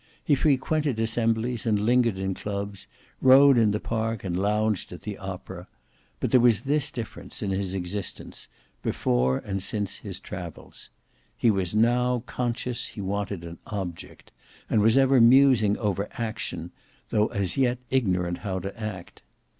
He frequented assemblies, and lingered in clubs; rode in the park, and lounged at the opera. But there was this difference in his existence, before and since his travels: he was now conscious he wanted an object; and was ever musing over action, though as yet ignorant how to act.